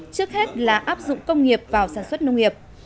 trước hết là áp dụng công nghiệp vào sản xuất nông nghiệp